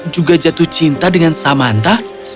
juga jatuh cinta dengan samanta